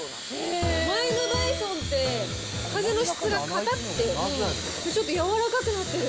前のダイソンって、風の質がかたくて、ちょっと柔らかくなってる。